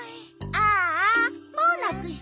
ああもうなくしたと？